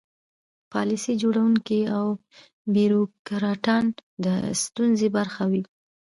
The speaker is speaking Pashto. پالیسي جوړوونکي او بیروکراټان د ستونزې برخه وي.